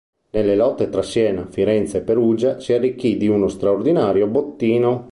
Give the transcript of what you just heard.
Nelle lotte tra Siena, Firenze e Perugia si arricchì di uno straordinario bottino.